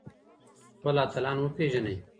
خپل اتلان وپېژنئ.